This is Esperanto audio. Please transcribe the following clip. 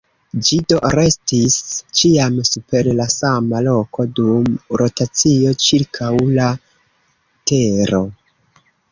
Ĝi do restis ĉiam super la sama loko dum rotacio ĉirkaŭ la tero.